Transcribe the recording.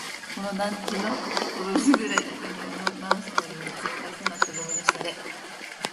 この団地の、この薄暗い中庭の、何層にも積み重なったゴミの下で